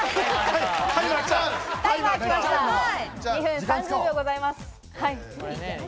２分３０秒ございます。